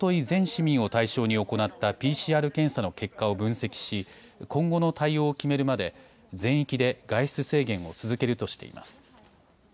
全市民を対象に行ったＰＣＲ検査の結果を分析し今後の対応を決めるまで全域で外出制限を続けるとしています。